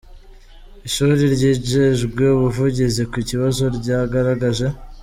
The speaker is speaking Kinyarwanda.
Ishuri ryijejwe ubuvugizi ku kibazo ryagaragaje.